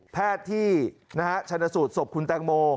แพทย์ที่ชนะสูตรศพคุณแตงโม